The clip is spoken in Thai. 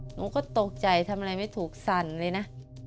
หนูก็ตกใจทำอะไรไม่ถูกสั่นเลยนะ